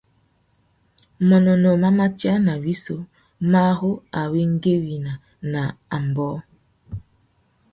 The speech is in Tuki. Manônōh má matia nà wissú mà ru awéngüéwina nà ambōh.